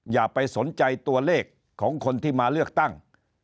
อย่าไปสนใจตัวเลขของคนที่มาเลือกตั้ง